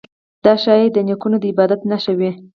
دا ښايي د نیکونو د عبادت نښه وي.